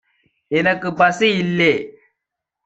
எனக்கு பசி இல்லெ